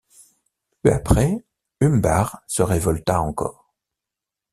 Peu après, Umbar se révolta encore.